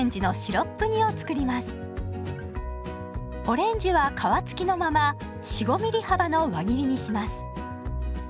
オレンジは皮付きのまま４５ミリ幅の輪切りにします。